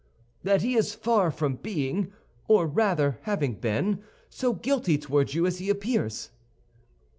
"That he is far from being, or rather having been, so guilty toward you as he appears."